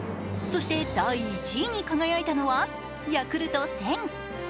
そして第１位に輝いたのはヤクルト１０００。